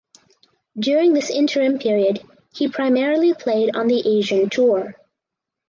During this interim period he primarily played on the Asian Tour.